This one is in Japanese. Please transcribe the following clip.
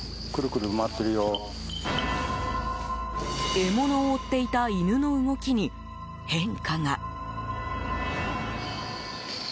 獲物を追っていた犬の動きに変化が。